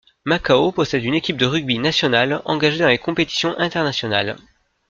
Macao possède une équipe de rugby nationale engagée dans les compétitions internationales.